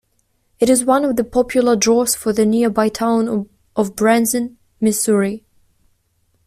It is one of the popular draws for the nearby town of Branson, Missouri.